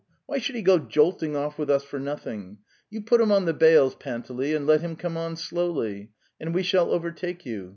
Why should he go jolting off with us for nothing? You put him on the bales, Panteley, and let him come on slowly, and we shall overtake you.